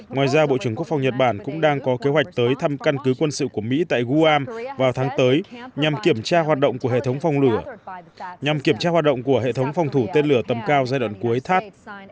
ngoài ra bộ trưởng quốc phòng nhật bản cũng đang có kế hoạch tới thăm căn cứ quân sự của mỹ tại guam vào tháng tới nhằm kiểm tra hoạt động của hệ thống phòng thủ tên lửa tầm cao giai đoạn cuối thát